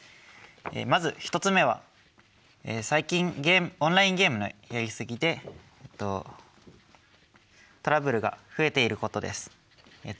まず１つ目は最近オンラインゲームのやりすぎでトラブルが増えていることです。